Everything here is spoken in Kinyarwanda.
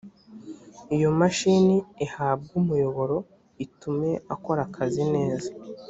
iyo mashini ihabwe umuyoboro itume akora akazi neza